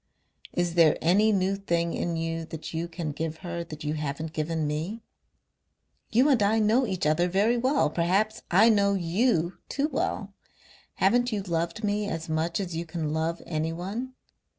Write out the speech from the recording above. "Is there any new thing in you that you can give her that you haven't given me? You and I know each other very well; perhaps I know YOU too well. Haven't you loved me as much as you can love anyone?